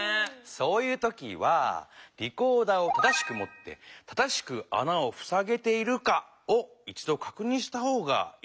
そういう時はリコーダーを正しくもって正しくあなをふさげているかを一どかくにんした方がいいんだよね。